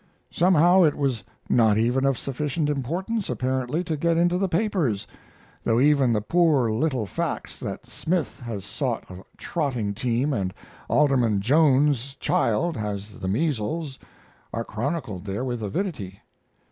Somehow, it was not even of sufficient importance, apparently, to get into the papers, though even the poor little facts that Smith has bought a trotting team and Alderman Jones's child has the measles are chronicled there with avidity.